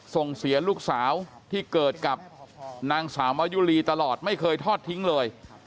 ส่งเสียลูกสาวที่เกิดกับนางสาวมายุรีตลอดไม่เคยทอดทิ้งเลย